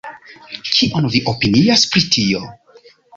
Kion vi opinias pri tio?